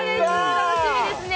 楽しみですね